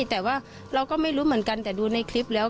แต่ว่าเราก็ไม่รู้เหมือนกันแต่ดูในคลิปแล้ว